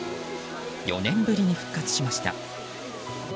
４年ぶりに復活しました。